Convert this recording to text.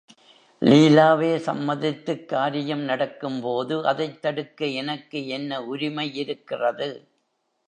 லீலாவே சம்மதித்துக் காரியம் நடக்கும்போது அதைத் தடுக்க எனக்கு என்ன உரிமையிருக்கிறது?